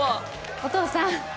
お父さん。